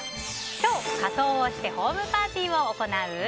きょう、仮装してホームパーティーを行う？